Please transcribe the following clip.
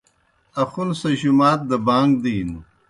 آخُون سہ جُمات دہ بانگ دِینوْ۔